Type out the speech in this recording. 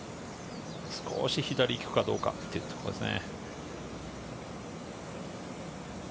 少し左に行くかどうかというところですね。